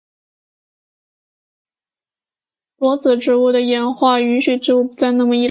裸子植物的演化允许植物不再那么依赖水生存。